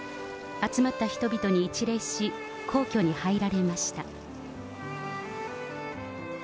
集まった人々に一礼し、皇居に入られました。